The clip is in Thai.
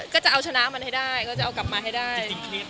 ก็จะเอาชนะมันให้ได้ก็จะเอากลับมาให้ได้